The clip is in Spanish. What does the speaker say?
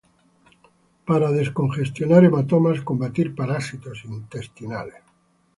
Para descongestionar hematomas, combatir parásitos intestinales.